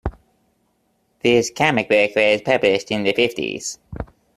This comic book was published in the fifties.